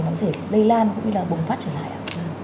nó có thể lây lan cũng như là bùng phát trở lại